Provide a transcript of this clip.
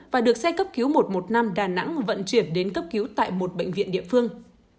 và được xe cấp cứu một trăm một mươi năm đà nẵng vận chuyển đến cấp cứu tại một bệnh viện địa phương